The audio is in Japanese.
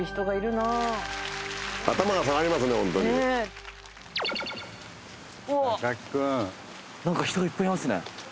なんか人がいっぱいいますね。